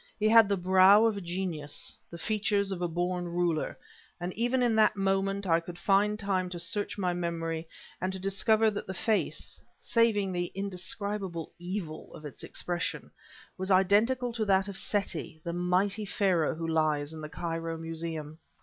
He had the brow of a genius, the features of a born ruler; and even in that moment I could find time to search my memory, and to discover that the face, saving the indescribable evil of its expression, was identical with that of Seti, the mighty Pharaoh who lies in the Cairo Museum.